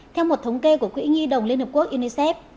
theo một thống kê của quỹ nhi đồng liên hợp quốc unicef